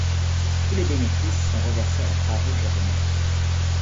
Tous les bénéfices sont reversés à la Croix Rouge Japonaise.